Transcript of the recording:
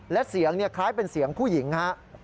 และเสียงคล้ายเป็นเสียงผู้หญิงฮะ